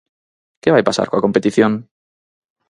Que vai pasar coa competición?